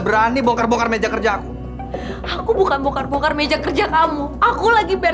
sebenarnya apa yang terjadi dengan haikal